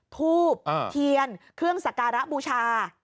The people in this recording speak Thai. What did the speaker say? ทูบเทียนเครื่องสการะบูชา